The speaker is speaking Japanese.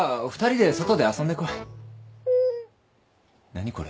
何これ。